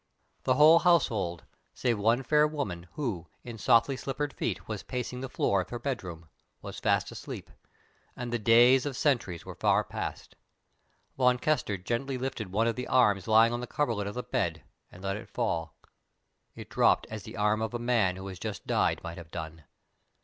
The whole household, save one fair woman, who, in softly slippered feet, was pacing the floor of her bedroom, was fast asleep, and the days of sentries were far past. Von Kessner gently lifted one of the arms lying on the coverlet of the bed and let it fall. It dropped as the arm of a man who had just died might have done.